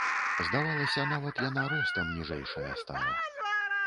Здавалася, нават яна ростам ніжэйшая стала.